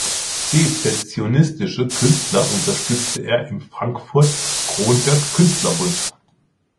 Sezessionistische Künstler unterstützte er im Frankfurt-Cronberger-Künstler-Bund.